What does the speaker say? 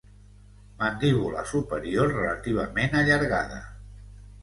Mandíbula superior relativament allargada.